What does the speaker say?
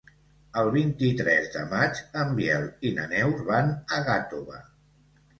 El vint-i-tres de maig en Biel i na Neus van a Gàtova.